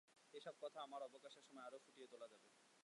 এ-সব কথা আমার অবকাশের সময় আরো ফুটিয়ে তোলা যাবে।